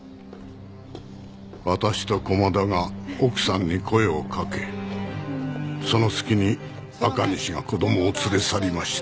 私と駒田が奥さんに声をかけその隙に赤西が子供を連れ去りました。